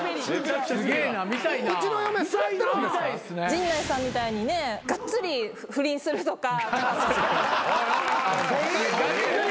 陣内さんみたいにねガッツリ不倫するとか。